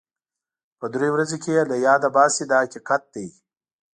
په دریو ورځو کې یې له یاده باسي دا حقیقت دی.